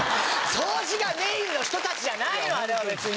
掃除がメインの人たちじゃないのあれは別に。